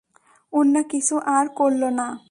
অন্য কিছু আর করলো না।